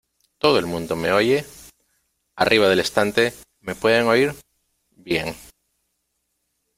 ¿ Todo el mundo me oye? ¿ arriba del estante, me pueden oír ? bien.